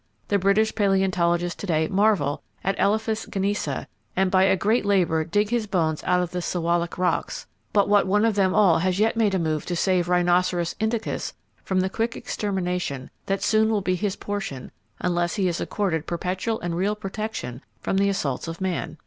The British paleontologists to day marvel at Elephas ganesa, and by great labor dig his bones out of the Sewalik rocks, but what one of them all has yet made a move to save Rhinoceros indicus from the quick extermination that soon will be his portion unless he is accorded perpetual and real protection from the assaults of man?